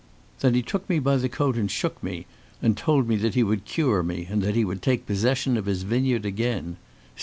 Then he took me by the coat and shook me, and told me that he would cure me, and that he would take possession of his vineyard again.